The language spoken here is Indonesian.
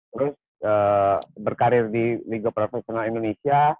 terus berkarir di liga profesional indonesia